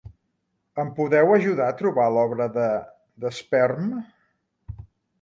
Em podeu ajudar a trobar l'obra de The Sperm?